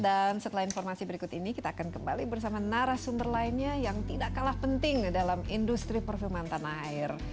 dan setelah informasi berikut ini kita akan kembali bersama narasumber lainnya yang tidak kalah penting dalam industri perfilman tanah air